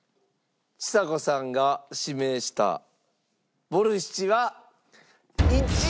ちさ子さんが指名したボルシチは１位。